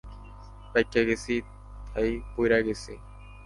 পাইক্কা গেসি, তাই পইরা গেসি।